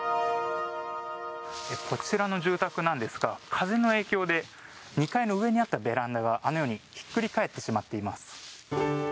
こちらの住宅なんですが風の影響で２階の上にあったベランダがあのように引っくり返ってしまっています。